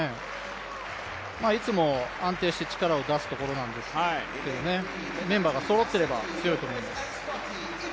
いつも安定して力を出すところなんですけど、メンバーがそろってれば強いと思います。